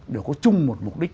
đều có chung một mục đích